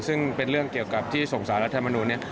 ซึ่งเป็นเรื่องเกี่ยวกับที่ส่งสารรัฐมนุนเนี่ย